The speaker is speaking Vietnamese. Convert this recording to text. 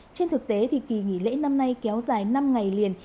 trên thực tế thì kỳ nghỉ lễ năm nay kéo dài năm ngày liền